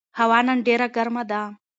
هوا نن ډېره ګرمه ده.